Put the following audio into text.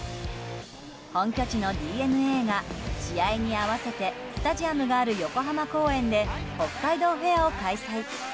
本拠地のＤｅＮＡが試合に合わせてスタジアムがある横浜公園で北海道フェアを開催。